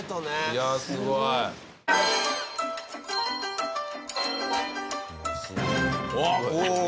いやすごいよ。